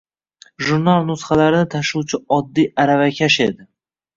Jurnal nusxalarini tashuvchi oddiy aravakash edi.